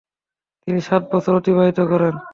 তিনি সাত বছর অতিবাহিত করেন।